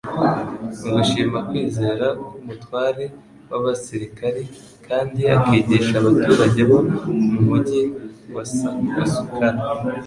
Mu gushima kwizera k'umutware w'abasirikari; kandi akigisha abaturage bo mu mugi wa Sukala,